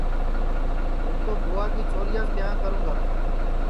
ہُوں تو بھُوا کی چھوریاس ٻِیانٚھ کروں گا